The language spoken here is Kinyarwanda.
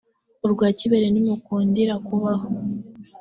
urwa kibere ntimukundira kubaho